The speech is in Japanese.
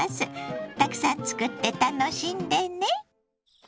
たくさんつくって楽しんでね。